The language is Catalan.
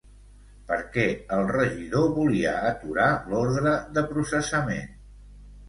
Per què el regidor volia aturar l'ordre de processament?